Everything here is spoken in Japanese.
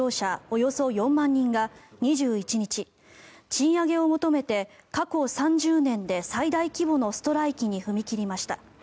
およそ４万人が２１日賃上げを求めて過去３０年で最大規模のストライキに踏み切りました。